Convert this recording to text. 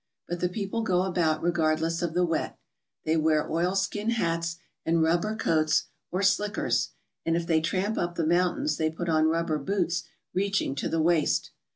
But the people go about regardless of the wet. They wear oilskin hats and rubber coats or slickers, and if they tramp up the mountains they put on rubber boots reaching to the waist.